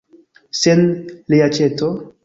Sen reaĉeto?